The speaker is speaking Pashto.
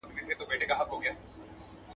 چي قاضي او مفتي ناست وي ماران ګرځي `